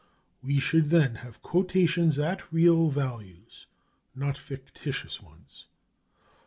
We should then have quotations at real values, not fictitious ones.